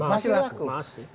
masih laku oke